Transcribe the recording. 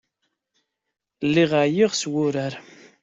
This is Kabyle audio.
Lliɣ ɛyiɣ s wuṛaṛ.